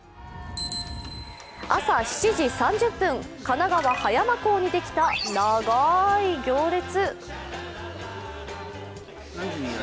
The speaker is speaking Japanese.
朝７時３０分、神奈川・葉山港にできたながい行列。